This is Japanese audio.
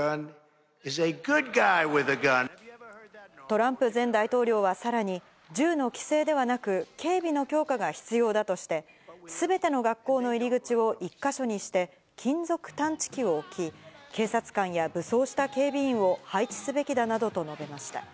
トランプ前大統領はさらに、銃の規制ではなく、警備の強化が必要だとして、すべての学校の入り口を１か所にして、金属探知機を置き、警察官や武装した警備員を配置すべきだなどと述べました。